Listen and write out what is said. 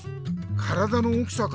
体の大きさか。